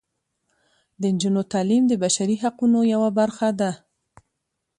د نجونو تعلیم د بشري حقونو یوه برخه ده.